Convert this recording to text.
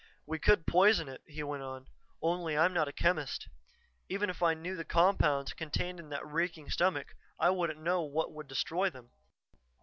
"We could poison it," he went on. "Only I'm not a chemist; even if I knew the compounds contained in that reeking stomach I wouldn't know what would destroy them.